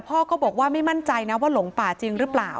พ่อก็บอกว่าไม่มั่นใจนะว่าหลงป่าจริงหรือเปล่า